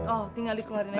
oh tinggal dikeluarin aja